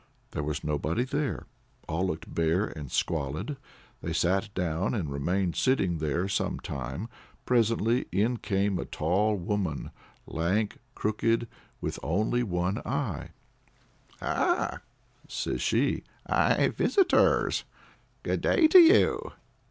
There was nobody there. All looked bare and squalid. They sat down, and remained sitting there some time. Presently in came a tall woman, lank, crooked, with only one eye. "Ah!" says she, "I've visitors. Good day to you."